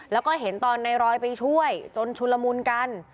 แล้วก็เห็นตอนในรอยไปช่วยจนชุนละมุนกัน